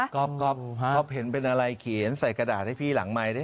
ก๊อฟเห็นเป็นอะไรเขียนใส่กระดาษให้พี่หลังไมค์